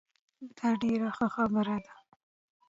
دا ډیره ښه خبره ده